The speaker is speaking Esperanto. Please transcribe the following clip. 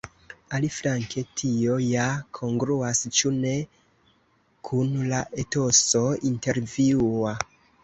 Aliflanke tio ja kongruas, ĉu ne, kun la etoso intervjua?